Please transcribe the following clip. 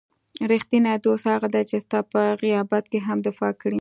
رښتینی دوست هغه دی چې ستا په غیابت کې هم دفاع کړي.